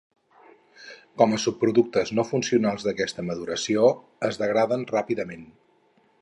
Com a subproductes no funcionals d'aquesta maduració, es degraden ràpidament.